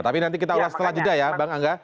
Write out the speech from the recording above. tapi nanti kita ulas setelah jeda ya bang angga